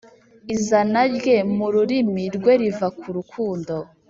Izana rye mu rurimi rwe riva ku rukundo